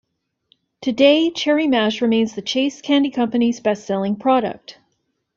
Today, Cherry Mash remains the Chase Candy Company's best-selling product.